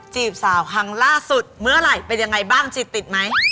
จีบสาวครั้งล่าสุดเมื่อไหร่เป็นยังไงบ้างจีบติดไหม